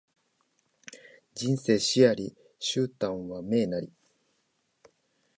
人生死あり、終端は命なり